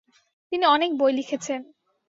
তিনি অনেক বই লিখেছেন।